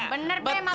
bener deh mata gue